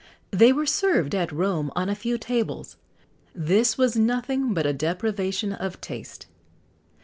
They were served at Rome on a few tables. This was nothing but a depravation of taste.